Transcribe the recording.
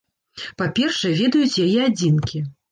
Па-першае, ведаюць яе адзінкі.